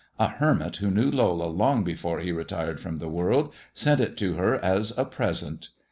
A hermit who knew Lola long before he relaxed from the world sent it to her as a present."